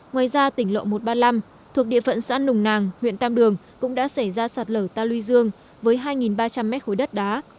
ngoài ra tỉnh lộ một trăm ba mươi năm thuộc địa phận xã nùng nàng huyện tam đường cũng đã xảy ra sạt lở ta luy dương với hai ba trăm linh mét khối đất đá